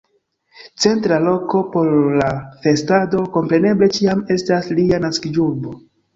Centra loko por la festado kompreneble ĉiam estas lia naskiĝurbo.